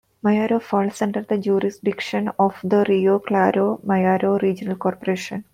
Mayaro falls under the jurisdiction of the Rio Claro-Mayaro Regional Corporation.